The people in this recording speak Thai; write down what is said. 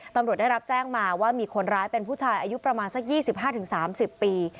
ตำลวดได้รับแจ้งมาว่ามีคนร้ายเป็นผู้ชายอายุประมาณสักยี่สิบห้าถึงสามสิบปี